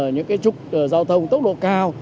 những cái trục giao thông tốc độ cao